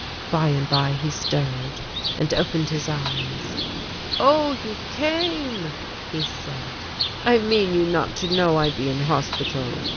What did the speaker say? By and by he stirred and opened his eyes. "Oh you came!" he said, "I mean you not to know I be in hospital.